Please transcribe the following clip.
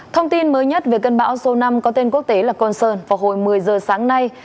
thông tin mới nhất về cơn bão số năm có tên quốc tế là con sơn vào hồi một mươi giờ sáng nay